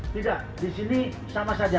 tidak di sini sama saja